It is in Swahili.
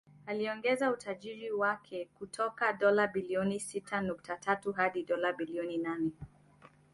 Aliongeza utajiri wake kutoka dola bilioni sita nukta tatu hadi dola bilioni nane